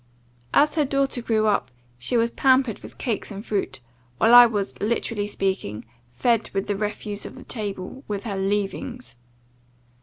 "As her daughter grew up, she was pampered with cakes and fruit, while I was, literally speaking, fed with the refuse of the table, with her leavings.